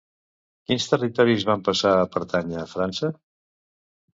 Quins territoris van passar a pertànyer a França?